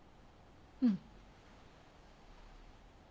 うん。